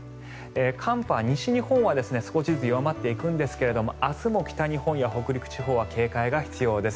寒波は西日本は少しずつ弱まっていくんですが明日も北日本や北陸地方は警戒が必要です。